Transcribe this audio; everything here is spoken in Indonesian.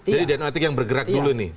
jadi dewan etik yang bergerak dulu nih